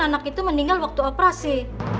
anak itu meninggal waktu operasi